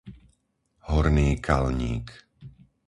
Horný Kalník